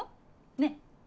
ねっ。